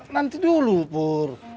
nanti dulu pur